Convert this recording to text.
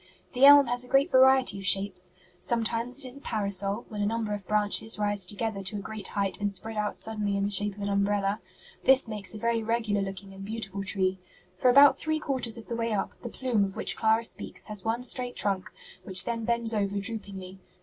The elm has a great variety of shapes; sometimes it is a parasol, when a number of branches rise together to a great height and spread out suddenly in the shape of an umbrella. This makes a very regular looking and beautiful tree. For about three quarters of the way up, the 'plume' of which Clara speaks has one straight trunk, which then bends over droopingly.